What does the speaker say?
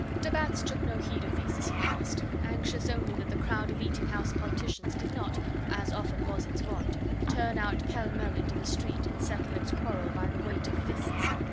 De Batz took no heed of these as he passed, anxious only that the crowd of eating house politicians did not, as often was its wont, turn out pele mele into the street, and settle its quarrel by the weight of fists.